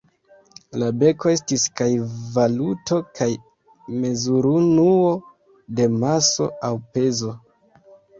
La beko estis kaj valuto kaj mezurunuo de maso aŭ pezo.